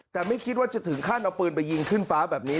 แต่ไม่คิดว่าจะถึงขั้นเอาปืนไปยิงขึ้นฟ้าแบบนี้